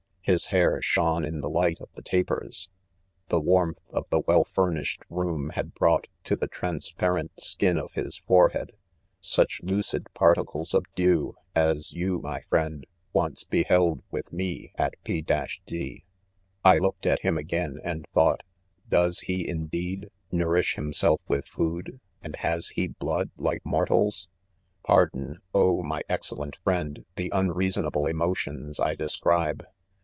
His hair shone in the light of the tapers 5 the warmth of the well furnished room had brought to the transparent skin of his forehead, such lucid particles of dew as you, my friend, once be held, with me, at P— — d, I looked at him again, and thought, does he, indeed,, nourish himself with food, and has he blood like mor° falsi 4 Pardon, oh, my excellent friend, the un reasonable emotions I describe!